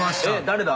誰だ？